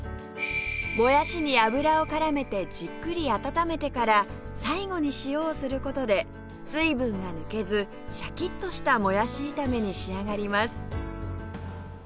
もやしに油を絡めてじっくり温めてから最後に塩をする事で水分が抜けずシャキッとしたもやし炒めに仕上がります